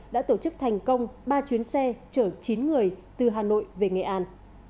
đã tổ chức thành công ba chuyến xe chở chín người từ hà nội về nghệ an